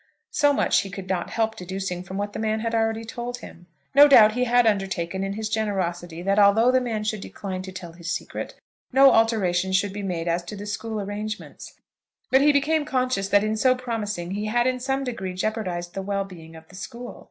So much he could not help deducing from what the man had already told him. No doubt he had undertaken, in his generosity, that although the man should decline to tell his secret, no alteration should be made as to the school arrangements; but he became conscious that in so promising he had in some degree jeopardised the well being of the school.